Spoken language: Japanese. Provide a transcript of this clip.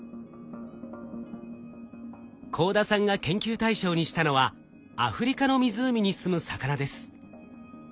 幸田さんが研究対象にしたのはアフリカの湖にすむ魚です。